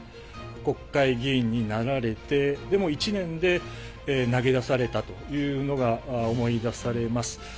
国会議員になられて、でも１年で、投げ出されたというのが、思い出されます。